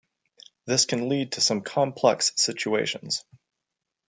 This can lead to some complex situations.